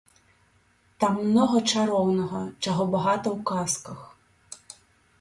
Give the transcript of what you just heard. Там многа чароўнага, чаго багата ў казках.